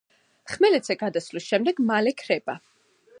ხმელეთზე გადასვლის შემდეგ მალე ქრება.